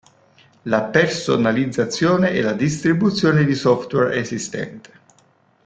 La personalizzazione e la distribuzione di software esistente.